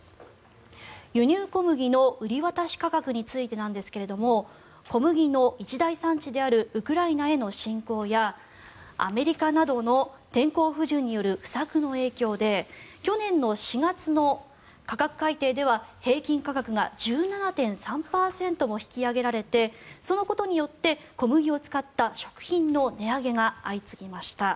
輸入小麦の売り渡し価格についてなんですが小麦の一大産地であるウクライナへの侵攻やアメリカなどの天候不順による不作の影響で去年の４月の価格改定では平均価格が１７．３％も引き上げられてそのことによって小麦を使った食品の値上げが相次ぎました。